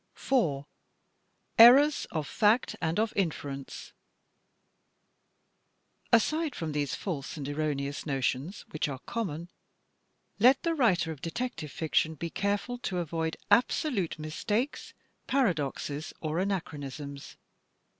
4, Errors of Fact and of Inference Aside from these false and erroneous notions which are common, let the writer of detective fiction be careful to avoid absolute mistakes, paradoxes, or anachronisms.